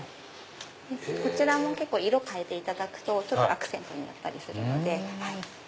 こちらも色変えていただくとアクセントになったりするので。